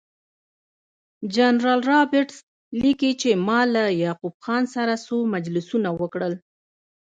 جنرال رابرټس لیکي چې ما له یعقوب خان سره څو مجلسونه وکړل.